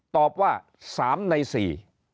ตอบว่า๓ใน๔